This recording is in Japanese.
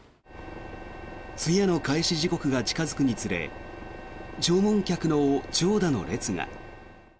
通夜の開始時刻が近付くにつれ弔問客の長蛇の列が。